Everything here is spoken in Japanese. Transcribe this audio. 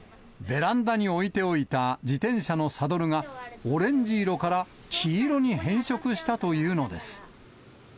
ベランダに置いておいた自転車のサドルが、オレンジ色から黄色に変色したというのです。